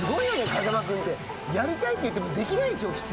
風間君ってやりたいっていってもできないでしょ普通。